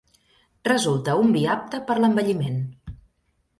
Resulta un vi apte per l'envelliment.